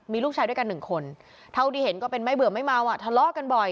มีลูกชายด้วยกัน๑คนถ้าอุดีเห็นก็เป็นไหม่เบื่อร์ไม่เมาอะ